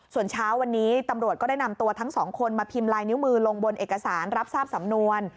ส่วนเช้าวันนี้ตำรวจก็ได้นำตัวทั้งสองคนมาพิมพ์ลายนิ้วมือลงบนเอกสารรับทราบสำนวน